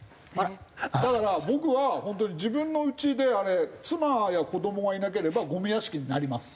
だから僕は本当に自分のうちであれ妻や子どもがいなければゴミ屋敷になります。